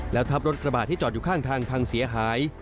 แล้วทับรถกระบาดที่จอดอยู่ข้างทางพังเสียหาย